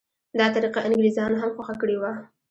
دا طریقه انګریزانو هم خوښه کړې وه.